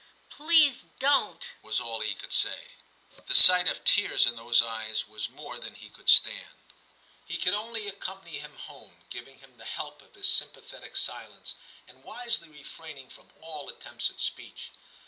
please don't,' was all he could say ; the sight of tears in those eyes was more than he could stand. 262 TJM CHAP. He could only accompany him home, giving him the help of his sympathetic silence, and wisely refraining from all attempts at speech.